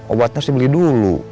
obatnya harus dibeli dulu